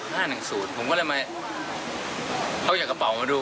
ผมก็เลยมาเข้าจากกระเป๋ามาดู